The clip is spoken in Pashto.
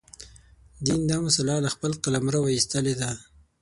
دین دا مسأله له خپل قلمروه ایستلې ده.